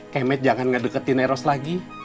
kemet jangan ngedeketin eros lagi